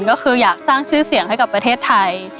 ก็คืออยากสร้างชื่อเสียงให้กับประเทศไทย